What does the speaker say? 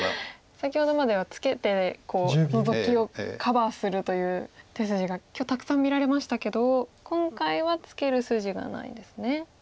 先ほどまではツケてノゾキをカバーするという手筋が今日たくさん見られましたけど今回はツケる筋がないんですね。